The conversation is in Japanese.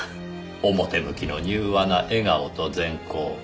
表向きの柔和な笑顔と善行。